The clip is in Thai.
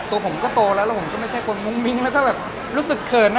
ตัวผมก็โตแล้วแล้วผมก็ไม่ใช่คนมุ้งมิ้งแล้วก็แบบรู้สึกเขินนะ